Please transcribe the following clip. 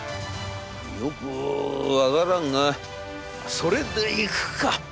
『よく分からんがそれでいくか。